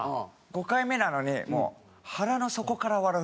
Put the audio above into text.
５回目なのにもう腹の底から笑うっていう。